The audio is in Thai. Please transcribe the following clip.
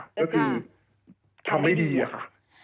ก็คือทำไม่ดีอะค่ะ